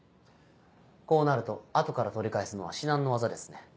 こうなると後から取り返すのは至難の業ですね。